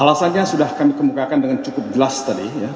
alasannya sudah kami kemukakan dengan cukup jelas tadi ya